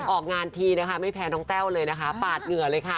ออกงานทีนะคะไม่แพ้น้องแต้วเลยนะคะปาดเหงื่อเลยค่ะ